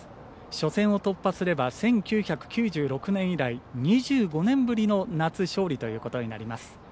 初戦を突破すれば１９９６年以来２５年ぶりの夏勝利ということになります。